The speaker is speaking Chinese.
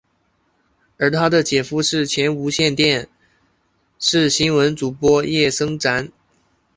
而他的姐夫是前无线电视新闻主播叶升瓒。